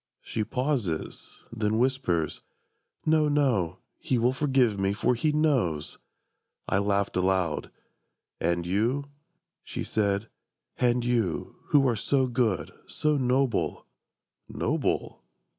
She pauses: then whispers: "No, no, He will forgive me, for He knows!" I laughed aloud: "And you," she said, "and you, Who are so good, so noble" ... "Noble?